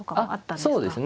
そうですね。